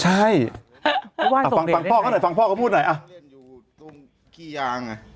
ใช่ฟังพ่อก็หน่อยฟังพ่อก็พูดหน่อยอ่ะ